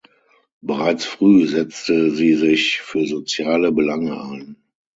Bereits früh setzte sie sich für soziale Belange ein.